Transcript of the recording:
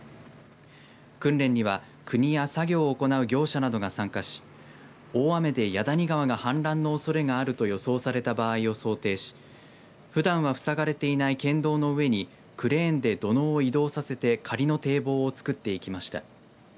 訓練には作業を行う業者などが参加し大雨で矢谷川が氾濫のおそれがあると予想された場合を想定しふだんは塞がれていない県道の上にクレーンで土のうを移動させて仮の堤防をつくっていきました。